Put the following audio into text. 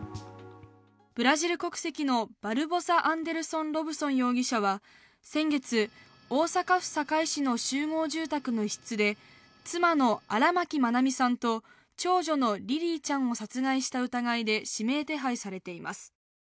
ブラジル国籍のバルボサ・アンデルソン・ロブソン容疑者は先月、大阪府堺市の集合住宅の一室で妻の荒牧愛美さんと長女のリリィちゃんを殺害した疑いで指名手配されています。